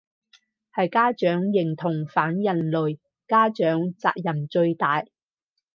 係家長認同反人類，家長責任最大